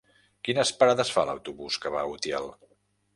Quines parades fa l'autobús que va a Utiel?